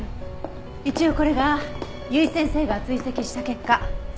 一応これが由井先生が追跡した結果。